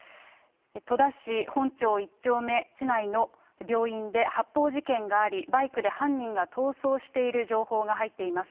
戸田市本町１丁目地内の病院で発砲事件があり、バイクで犯人が逃走している情報が入っています。